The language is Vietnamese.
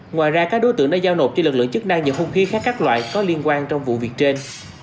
ngoài ra các đối tượng đã giao nộp cho lực lượng chức năng nhiều hung khí khác các loại có liên quan trong vụ việc trên